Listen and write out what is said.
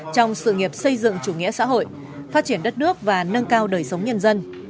trong sự nghiệp xây dựng chủ nghĩa xã hội phát triển đất nước và nâng cao đời sống nhân dân